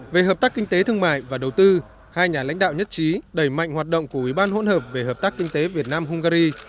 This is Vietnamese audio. về hợp tác kinh tế thương mại và đầu tư hai nhà lãnh đạo nhất trí đẩy mạnh hoạt động của ubh về hợp tác kinh tế việt nam hungary